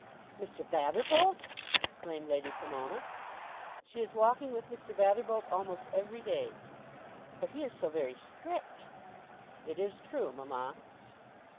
"Mr. Batherbolt!" exclaimed Lady Pomona. "She is walking with Mr. Batherbolt almost every day." "But he is so very strict." "It is true, mamma."